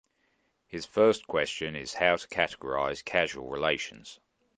His first question is how to categorize causal relations.